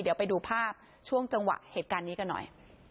เดี๋ยวไปดูภาพช่วงจังหวะเหตุการณ์นี้กันหน่อย